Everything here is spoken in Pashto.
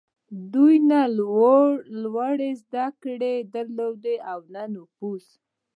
دوی نه لوړې زدهکړې درلودې او نه نفوذ.